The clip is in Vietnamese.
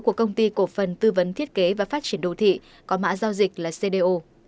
của công ty cổ phần tư vấn thiết kế và phát triển đô thị có mã giao dịch là cdr